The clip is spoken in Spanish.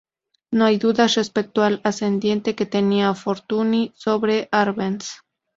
No hay dudas respecto del ascendiente que tenía Fortuny sobre Árbenz.